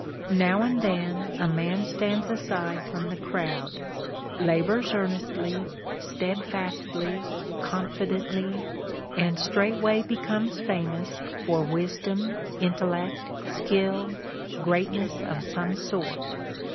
... Now and then a man stands aside from the crowd, labors earnestly, steadfastly, confidently, and straightway be comes famous for wisdom, intellect, skill, greatness of some sort.